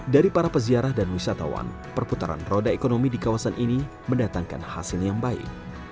dari para peziarah dan wisatawan perputaran roda ekonomi di kawasan ini mendatangkan hasil yang baik